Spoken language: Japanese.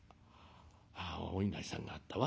あお稲荷さんがあったわ。